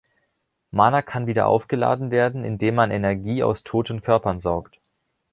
Mana kann wieder aufgeladen werden, indem man Energie aus toten Körpern saugt.